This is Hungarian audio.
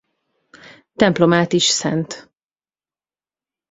Templomát is Szt.